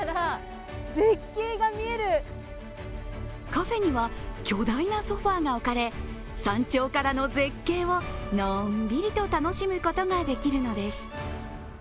カフェには巨大なソファーが置かれ山頂からの絶景をのんびりと楽しむことができるのです。